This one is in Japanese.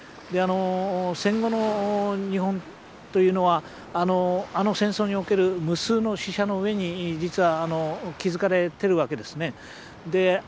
戦後の日本というのはあの戦争における無数の死者の上に実は築かれてるわけですね。